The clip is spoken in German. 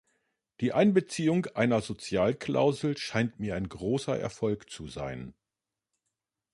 Die Einbeziehung einer Sozialklausel scheint mir ein großer Erfolg zu sein.